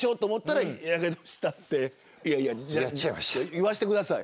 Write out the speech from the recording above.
言わしてください。